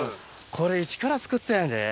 これイチから造ったんやで。